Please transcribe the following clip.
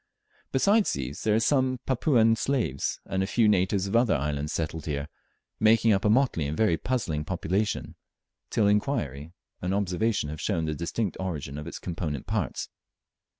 Besides these there are some Papuan slaves, and a few natives of other islands settled here, making up a motley and very puzzling population, till inquiry and observation have shown the distinct origin of its component parts.